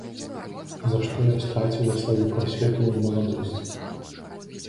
За што я страціла сваю прасветлую маладосць?